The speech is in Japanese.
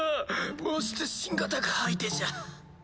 まして新型が相手じゃ。